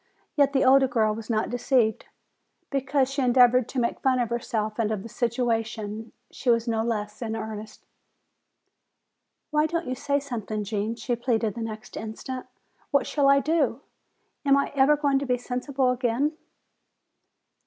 Yet the older girl was not deceived. Because she endeavored to make fun of herself and of the situation, she was no less in earnest. "Why don't you say something, Gene?" she pleaded the next instant. "What shall I do? Am I ever going to be sensible again?"